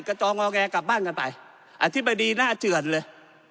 จองงอแงกลับบ้านกันไปอธิบดีน่าเจือนเลย